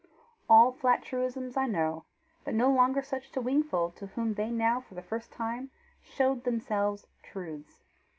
All flat truisms I know, but no longer such to Wingfold to whom they now for the first time showed themselves truths.